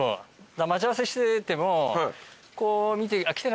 待ち合わせしててもこう見て。